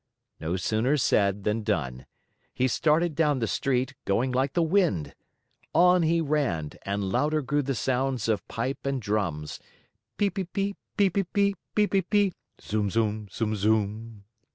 No sooner said than done. He started down the street, going like the wind. On he ran, and louder grew the sounds of pipe and drum: pi pi pi, pi pi pi, pi pi pi .. .zum, zum, zum, zum.